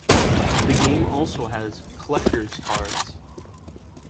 The game also has Collector's cars.